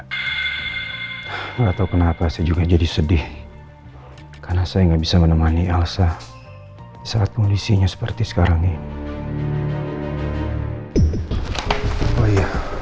tidak tahu kenapa saya juga jadi sedih karena saya tidak bisa menemani elsa saat polisinya seperti sekarang ini